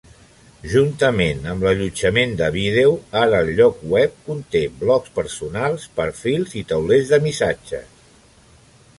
Juntament amb l'allotjament de vídeo, ara el lloc web conté blogs personals, perfils i taulers de missatges.